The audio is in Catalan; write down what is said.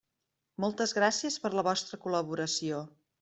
Moltes gràcies per la vostra col·laboració.